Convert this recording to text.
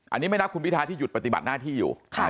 อันนี้ไม่นับคุณพิทาที่หยุดปฏิบัติหน้าที่อยู่